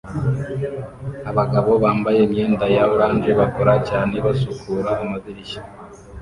Abagabo bambaye imyenda ya orange bakora cyane basukura amadirishya